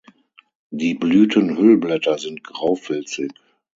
Die Blütenhüllblätter sind graufilzig.